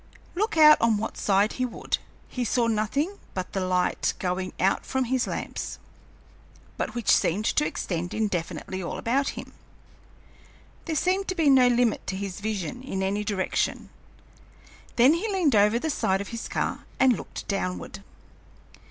Look out on what side he would, he saw nothing but the light going out from his lamps, but which seemed to extend indefinitely all about him. There seemed to be no limit to his vision in any direction. Then he leaned over the side of his car and looked downward.